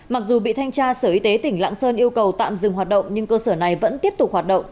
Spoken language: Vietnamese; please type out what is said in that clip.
mặc dù bị thanh tra sở y tế tỉnh lạng sơn yêu cầu tạm dừng hoạt động nhưng cơ sở này vẫn tiếp tục hoạt động